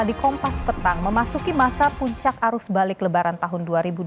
di kompas petang memasuki masa puncak arus balik lebaran tahun dua ribu dua puluh